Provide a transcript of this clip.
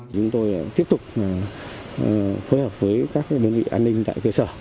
chúng tôi tiếp tục phối hợp với các đơn vị an ninh tại cơ sở